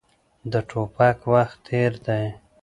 د ټوپک وخت تېر دی.